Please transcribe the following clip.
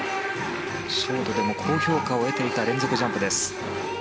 ショートでも高評価を得ていた連続ジャンプです。